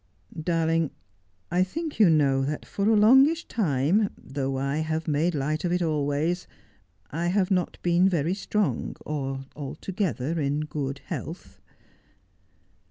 ' Darling, I think you know that for a longish time, though I have made light of it always, I have not been very strong, or altogether in good health.'